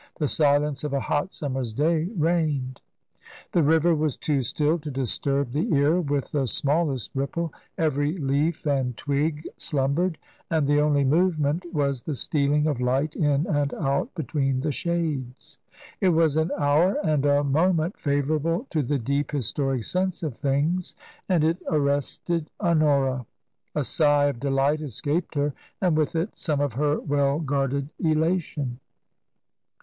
The silence of a hot summer's day reigned. The river was too still to disturb the ear with the smallest ripple ; every leaf and twig slumbered, and the only movement was the stealing of light in and out between the shades. It was an hour and a moment favourable to the deep, historic sense of things, and it arrested Honora. A sigh of delight escaped her, and with it some of her well guarded elation.